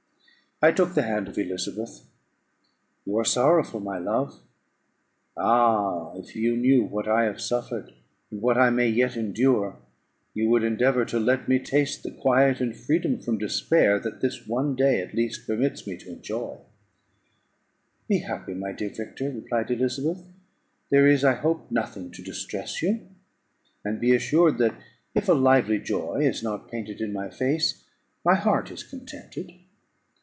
I took the hand of Elizabeth: "You are sorrowful, my love. Ah! if you knew what I have suffered, and what I may yet endure, you would endeavour to let me taste the quiet and freedom from despair, that this one day at least permits me to enjoy." "Be happy, my dear Victor," replied Elizabeth; "there is, I hope, nothing to distress you; and be assured that if a lively joy is not painted in my face, my heart is contented.